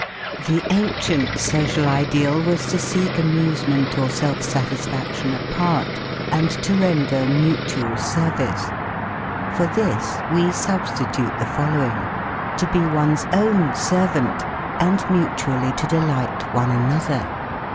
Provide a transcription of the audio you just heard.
The ancient social ideal was to seek amusement or self satisfaction apart and to render mutual service. For this we substitute the following: to be one's own servant and mutually to delight one another.